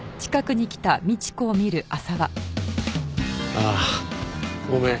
ああごめん。